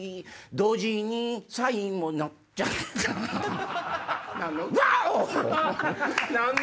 同時にサイもなっちゃったワォ‼